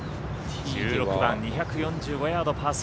１６番２４５ヤード、パー３。